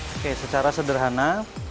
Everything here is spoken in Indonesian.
oke secara sederhana